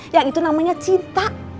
yang itu namanya cinta